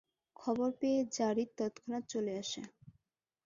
খবর পেয়ে যারীদ তৎক্ষণাৎ চলে আসে।